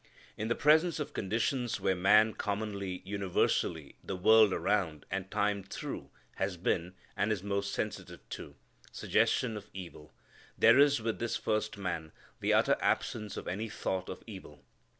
In the presence of conditions where man commonly, universally, the world around, and time through, has been and is most sensitive to suggestion of evil there is with this first man the utter absence of any thought of evil.